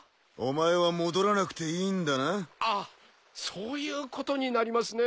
そういうことになりますねぇ。